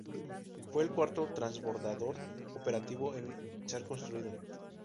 Fue el cuarto transbordador operativo en ser construido.